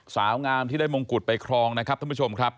สาวงามที่ได้มงกุฎไปครองนะครับท่านผู้ชมครับ